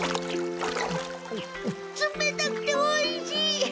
つめたくておいしい！